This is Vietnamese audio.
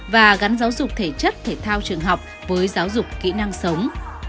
và gắn giáo dục thể chất thể thao trường học với giáo dục kỹ năng sống